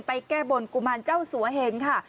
แก้บนกุมารเจ้าสัวเหงค่ะ